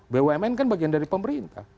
bumn kan bagian dari pemerintah